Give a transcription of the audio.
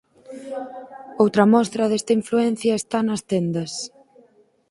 Outra mostra desta influencia está nas tendas.